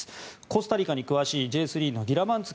コスタリカに詳しいＪ３のギラヴァンツ